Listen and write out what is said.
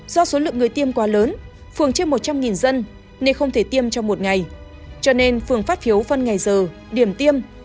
do số lượng người tiêm quá lớn phường trên một trăm linh dân nên không thể tiêm trong một ngày cho nên phường phát phiếu phân ngày giờ điểm tiêm